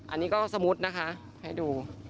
อันนี้ก็สมมุตินะคะให้ดู